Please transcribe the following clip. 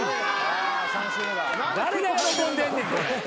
誰が喜んでんねんこれ。